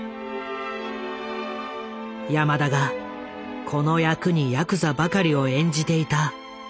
山田がこの役にヤクザばかりを演じていた高倉を